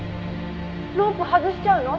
「ロープ外しちゃうの？